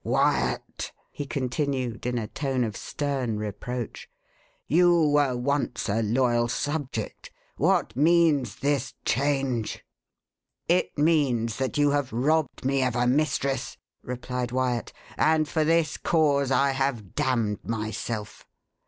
"Wyat," he continued, in a tone of stern reproach, "you were once a loyal subject. What means this change?" "It means that you have robbed me of a mistress," replied Wyat; "and for this cause I have damned myself."